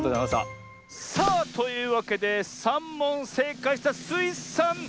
さあというわけで３もんせいかいしたスイさんゆうしょうです！